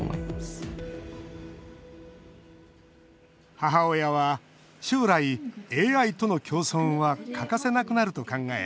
母親は将来、ＡＩとの共存は欠かせなくなると考え